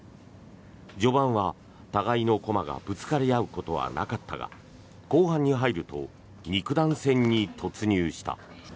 序盤は互いの駒がぶつかり合うことはなかったが後半に入ると肉弾戦に突入した。